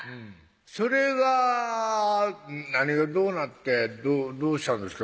それが何がどうなってどうしたんですか？